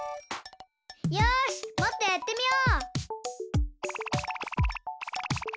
よしもっとやってみよう！